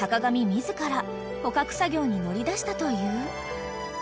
自ら捕獲作業に乗り出したという］